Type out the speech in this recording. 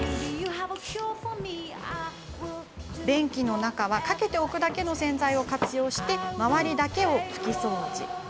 便器の中はかけておくだけの洗剤を活用して周りだけ拭き掃除。